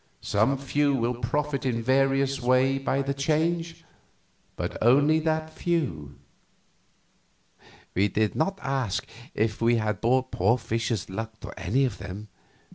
Some few will profit in various ways by the change, but only that few." We did not ask if we had brought poor Fischer's luck to any of them.